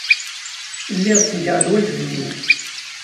Lliɣ ttgeɣ lwajeb-inu.